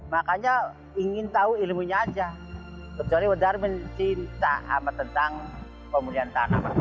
makanya ingin tahu ilmunya makanya ingin tahu ilmunya makanya ingin tahu ilmunya